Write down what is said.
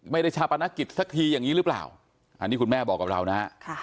ชาปนกิจสักทีอย่างนี้หรือเปล่าอันนี้คุณแม่บอกกับเรานะฮะ